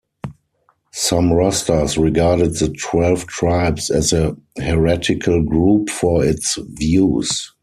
Some Rastas regarded the Twelve Tribes as a heretical group for its views.